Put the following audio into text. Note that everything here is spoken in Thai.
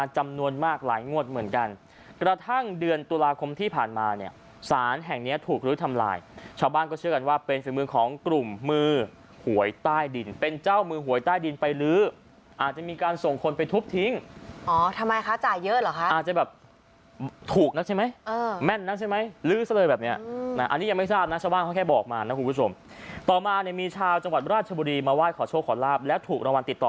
ชาวบ้านก็เชื่อกันว่าเป็นฝีมือของกลุ่มมือหวยใต้ดินเป็นเจ้ามือหวยใต้ดินไปลื้ออาจจะมีการส่งคนไปทุบทิ้งอ๋อทำไมคะจ่ายเยอะเหรอคะอาจจะแบบถูกนักใช่ไหมเออแม่นนักใช่ไหมลื้อซะเลยแบบเนี้ยอันนี้ยังไม่ทราบนะชาวบ้านเขาแค่บอกมานะคุณผู้ชมต่อมาเนี้ยมีชาวจังหวัดราชบุรีมาว่ายขอโชค